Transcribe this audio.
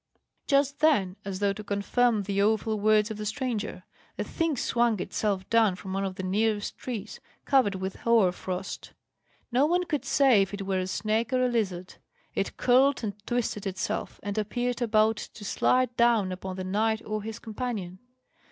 Just then, as though to confirm the awful words of the stranger, a thing swung itself down from one of the nearest trees, covered with hoar frost, no one could say if it were a snake or a lizard, it curled and twisted itself, and appeared about to slide down upon the knight or his companion.